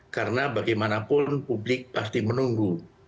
karena bagaimanapun publik pasti menunggu